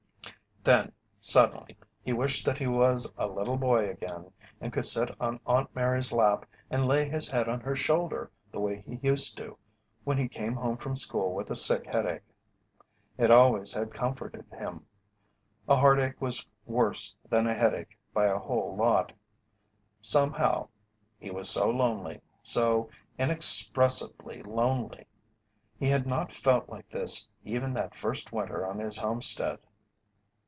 Then, suddenly, he wished that he was a little boy again and could sit on Aunt Mary's lap and lay his head on her shoulder the way he used to when he came home from school with a sick headache. It always had comforted him. A heartache was worse than a headache by a whole lot. Somehow he was so lonely so inexpressibly lonely. He had not felt like this even that first winter on his homestead.